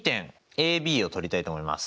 ＡＢをとりたいと思います。